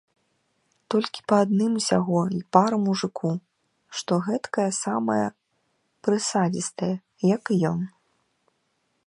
Толькі па адным усяго й пара мужыку, што гэткая самая прысадзістая, як і ён.